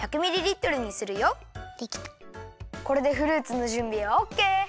これでフルーツのじゅんびはオッケー！